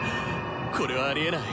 これはありえない！